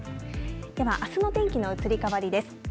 ではあすの天気の移り変わりです。